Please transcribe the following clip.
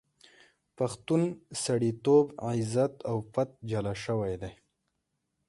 پښتون سړیتوب، عزت او پت جلا شوی دی.